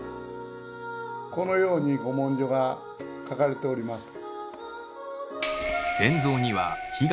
このように古文書が書かれております。